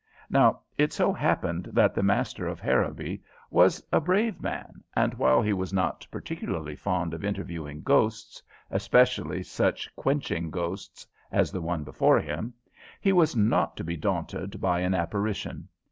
Now it so happened that the master of Harrowby was a brave man, and while he was not particularly fond of interviewing ghosts, especially such quenching ghosts as the one before him, he was not to be daunted by an apparition.